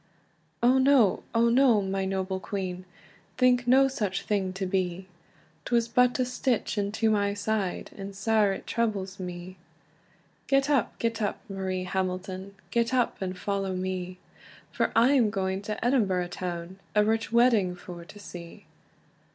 "O no, O no, my noble queen! Think no such thing to be! 'Twas but a stitch into my side, And sair it troubles me." "Get up, get up, Marie Hamilton, Get up, and follow me, For I am going to Edinburgh town, A rich wedding for to see."